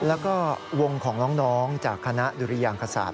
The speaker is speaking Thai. แล้วก็วงของน้องจากคณะดุริยางกษาป